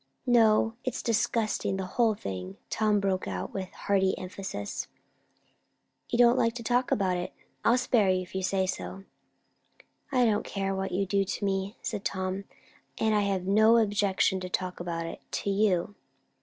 "No. It's disgusting, the whole thing!" Tom broke out with hearty emphasis. "You don't like to talk about it? I'll spare you, if you say so." "I don't care what you do to me," said Tom; "and I have no objection to talk about it to you."